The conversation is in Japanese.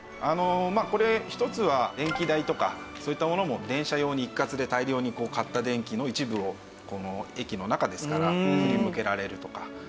まあこれ一つは電気代とかそういったものも電車用に一括で大量に買った電気の一部を駅の中ですからそこに向けられるとか。